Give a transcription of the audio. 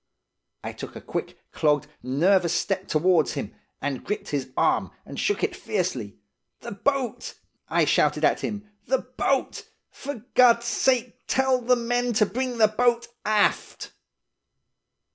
I took a quick, clogged, nervous step towards him, and gripped his arm, and shook it fiercely. 'The boat!' I shouted at him. 'The boat! For God's sake, tell the men to bring the boat aft!